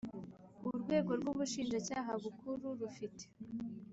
Urwego rw Ubushinjacyaha Bukuru rufite